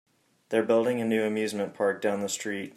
They're building a new amusement park down the street.